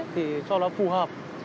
thì cho nó phù hợp